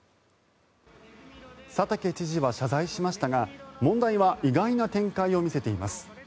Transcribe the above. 佐竹知事は謝罪しましたが問題は意外な展開を見せています。